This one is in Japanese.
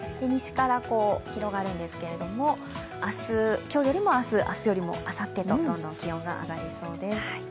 西から広がるんですけれども今日よりも明日、明日よりもあさってとどんどん気温が上がりそうです。